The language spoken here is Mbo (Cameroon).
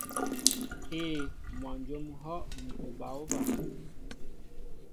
Éē, mwajóm ŋ̀hɔ́ ni bǎ óba.